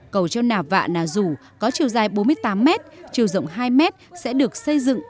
cầu cho nà vạ nà dù có chiều dài bốn mươi tám mét chiều rộng hai mét sẽ được xây dựng